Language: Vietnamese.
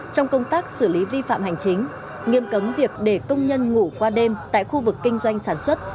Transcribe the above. trong công tác xử lý vi phạm hành chính nghiêm cấm việc để công nhân ngủ qua đêm tại khu vực kinh doanh sản xuất